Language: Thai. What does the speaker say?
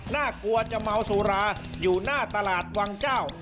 น่ากลัวจะเมาสุราอยู่หน้าตลาดวังเจ้า